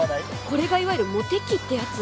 これがいわゆるモテ期ってやつ？